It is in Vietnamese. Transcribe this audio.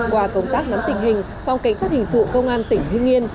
qua công tác nắm tình hình phòng cảnh sát hình sự công an tỉnh hương yên